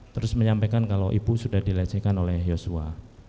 terus menyampaikan kalau ibu sudah dilecehkan oleh yosua